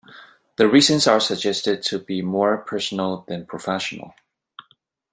The reasons are suggested to be more personal than professional.